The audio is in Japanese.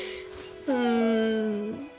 うん。